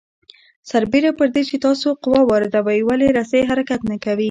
سربېره پر دې چې تاسو قوه واردوئ ولې رسۍ حرکت نه کوي؟